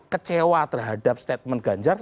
kecewa terhadap statement ganjar